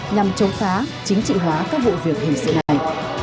nhằm chống phá chính trị hóa các vụ việc hình sự này